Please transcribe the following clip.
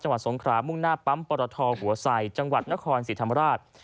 จังหวัดสงขรามุ่งหน้าปั๊มปราทอหัวไส่จังหวัดนครสิรธรรมราช